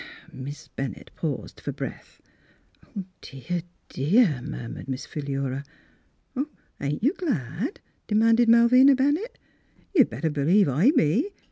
" Miss Bennett paused for breath. " Dear, dear !" murmured Miss Philura. " Ain't you glad ?" demanded Malvina Ben ^tt. ^ You'd better b'lieve I be.